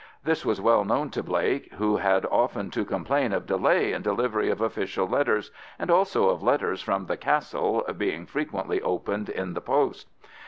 This was well known to Blake, who had often to complain of delay in delivery of official letters, and also of letters from the "Castle" being frequently opened in the post.